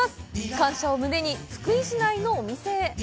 感謝を胸に、福井市内のお店へ。